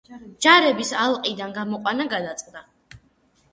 ჯარების ალყიდან გამოყვანა გადაწყდა.